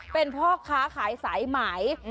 เป็นพ่อค้าขายสายไหม